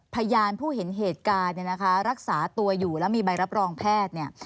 พยานผู้เห็นเหตุการณ์รักษาตัวอยู่และมีใบรับรองแพทย์